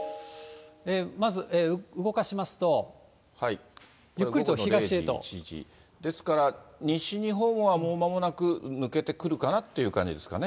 まず動かしますと、ですから、西日本はもうまもなく抜けてくるかなという感じですかね。